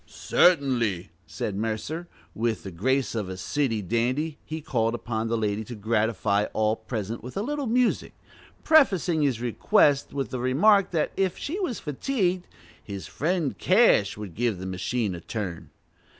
"Certainly," said Mercer and with the grace of a city dandy he called upon the lady to gratify all present with a little music, prefacing his request with the remark that if she was fatigued "his friend Cash would give the machine a turn."